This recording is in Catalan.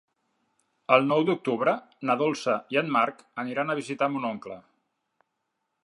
El nou d'octubre na Dolça i en Marc aniran a visitar mon oncle.